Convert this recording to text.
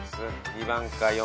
２番か４番。